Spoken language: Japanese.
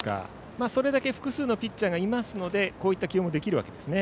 それだけ複数ピッチャーがいますので、こういった起用もできるわけですね。